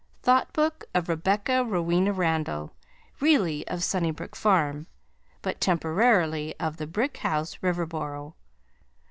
THOUGHT BOOK of Rebecca Rowena Randall Really of Sunnybrook Farm But temporily of The Brick House Riverboro.